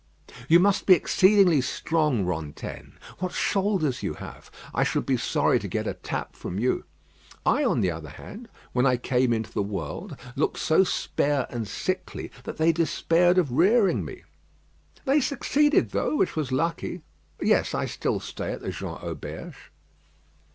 "You must be exceedingly strong, Rantaine. What shoulders you have! I should be sorry to get a tap from you. I, on the other hand, when I came into the world, looked so spare and sickly, that they despaired of rearing me." "They succeeded though; which was lucky." "Yes: I still stay at the Jean Auberge."